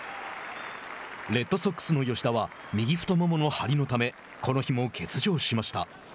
レッドソックスの吉田は右太ももの張りのためこの日の欠場しました。